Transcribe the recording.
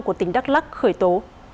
của tỉnh đắk lắc khởi tố